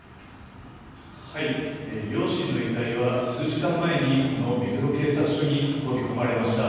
両親の遺体は数時間前にこの目黒警察署に運び込まれました。